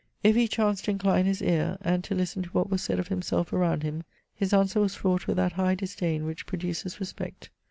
If he chanced to incline his ear, and to listen to what was said of himself around him, his answer was fraught with that high disdain which produces respect.